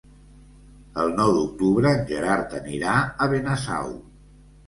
El nou d'octubre en Gerard anirà a Benasau.